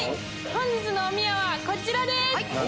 本日のおみやはこちらです。